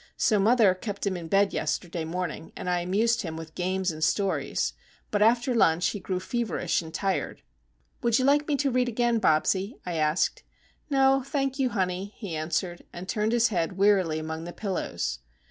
So mother kept him in bed yesterday morning, and I amused him with games and stories;—but after lunch he grew feverish and tired. "Would you like me to read again, Bobsie?" I asked. "No, thank you, honey," he answered, and turned his head wearily among the pillows.